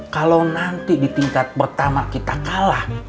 kalau nanti di tingkat pertama kita kalah